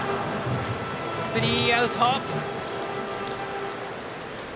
スリーアウト。